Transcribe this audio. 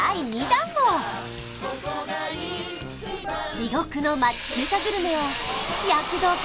至極の町中華グルメを躍動感